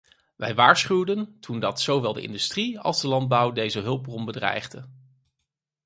Wij waarschuwden toen dat zowel de industrie als de landbouw deze hulpbron bedreigde.